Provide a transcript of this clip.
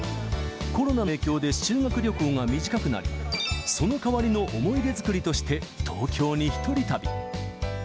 コロナの影響で修学旅行が短くなり、その代わりの思い出作りとして、東京に一人旅。